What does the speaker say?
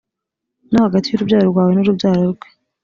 no hagati y urubyaro rwawe n urubyaro rwe